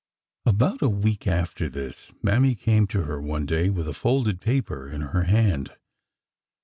About a week after this. Mammy came to her one day with a folded paper in her hand.